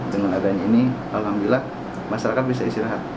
dengan adanya ini alhamdulillah masyarakat bisa istirahat